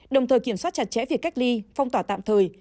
đồng thời kiểm soát chặt chẽ việc cách ly phong tỏa tạm thời